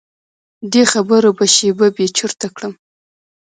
دې خبرو به شیبه بې چرته کړم.